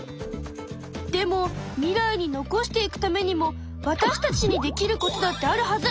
でも未来に残していくためにもわたしたちにできることだってあるはず！